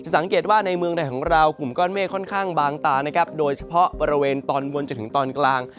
สังเกตว่าในเมืองไทยของเรากลุ่มก้อนเมฆค่อนข้างบางตานะครับโดยเฉพาะบริเวณตอนบนจนถึงตอนกลาง